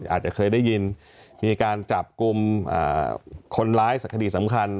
อาจจะเคยได้ยินมีการจับกลุ่มคนร้ายสักคดีสำคัญ